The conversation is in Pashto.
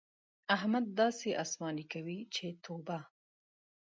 احمد داسې اسماني کوي چې توبه!